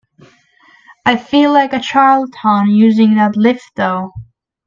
I feel like a charlatan using that lift though.